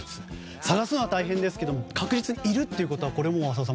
探すのは大変ですけれども確実にいるということは浅尾さん